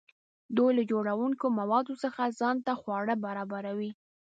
دوی له جوړونکي موادو څخه ځان ته خواړه برابروي.